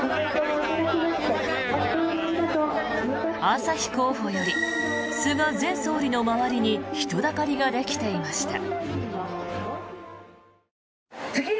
朝日候補より菅前総理の周りに人だかりができていました。